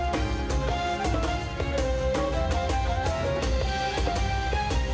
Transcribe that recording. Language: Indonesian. wa rahmatullahi wa barakatuh